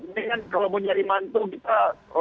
mendingan kalau mau nyari mantu kita